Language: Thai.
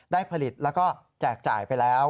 ได้ผลิตแล้วก็แจกจ่ายไปแล้ว